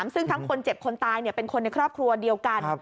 ซึ่งทั้งคนเจ็บคนตายเป็นคนในครอบครัวเดียวกัน